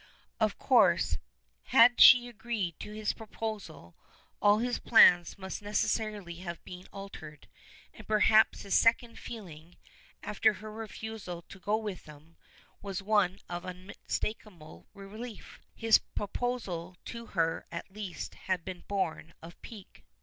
Of course, had she agreed to his proposal, all his plans must necessarily have been altered, and perhaps his second feeling, after her refusal to go with him, was one of unmistakable relief. His proposal to her at least had been born of pique!